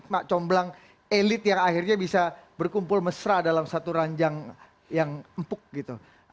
mak comblang elit yang akhirnya bisa berkumpul mesra dalam satu ranjang yang empuk gitu